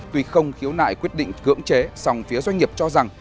tuy không khiếu nại quyết định cưỡng chế song phía doanh nghiệp cho rằng